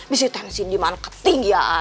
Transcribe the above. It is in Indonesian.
bisa tensi di mana ketinggian